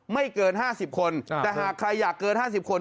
ไม่เกิน๕๐คนแต่หากใครอยากเกิน๕๐คน